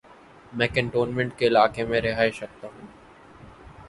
میں کینٹونمینٹ کے علاقے میں رہائش رکھتا ہوں۔